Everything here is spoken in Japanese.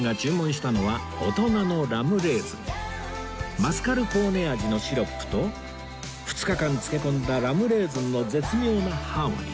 マスカルポーネ味のシロップと２日間漬け込んだラムレーズンの絶妙なハーモニー